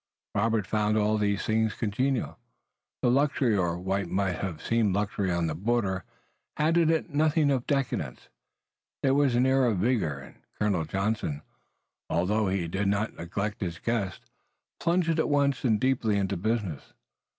Robert found all these things congenial. The luxury or what might have seemed luxury on the border, had in it nothing of decadence. There was an air of vigor, and Colonel Johnson, although he did not neglect his guests, plunged at once and deeply into business.